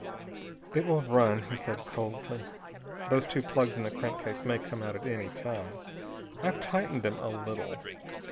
"It will run," he said coldly. "Those two plugs in the crankcase may come out at any time. I've tightened them a little.